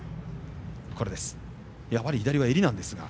やっぱり左は襟なんですが。